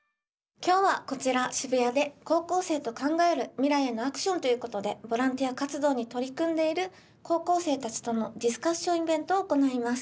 今日はこちら渋谷で高校生と考える未来へのアクションということでボランティア活動に取り組んでいる高校生たちとのディスカッションイベントを行います。